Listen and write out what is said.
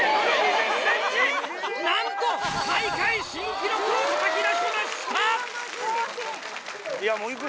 なんと大会新記録をたたき出しました！